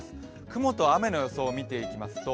雲と雨の予想を見ていきます。